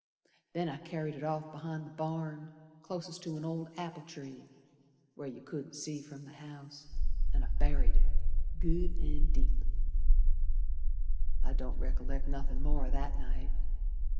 Then I carried it off be'ind the barn, Clost to an old apple tree Where you couldn't see from the house, An' I buried it, Good an' deep. I don't rec'lect nothin' more o' that night.